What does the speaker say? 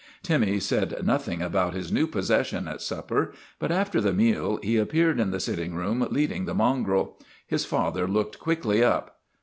Timmy said nothing about his new possession at supper, but after the meal he appeared in the sitting room leading the mongrel. His father looked quickly up.